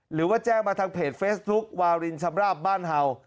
หรือว่าแจ้งมาทางเพจเฟซบุ๊ควารินชำราบบ้านเห่า